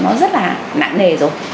nó rất là nặng nề rồi